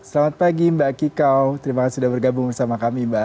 selamat pagi mbak kikau terima kasih sudah bergabung bersama kami mbak